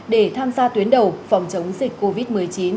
để tham gia tuyến đầu phòng chống dịch covid một mươi chín